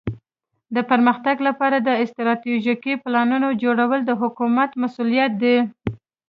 د پرمختګ لپاره د استراتیژیکو پلانونو جوړول د حکومت مسؤولیت دی.